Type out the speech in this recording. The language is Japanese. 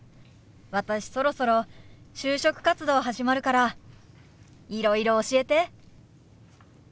私そろそろ就職活動始まるからいろいろ教えて。